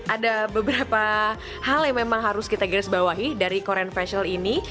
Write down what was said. ada beberapa hal yang memang harus kita garis bawahi dari korean facial ini